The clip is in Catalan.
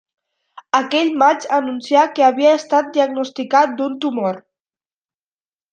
Aqueix maig anuncià que havia estat diagnosticat d'un tumor.